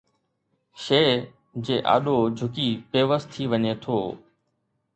شيءِ جي آڏو جهڪي بيوس ٿي وڃي ٿو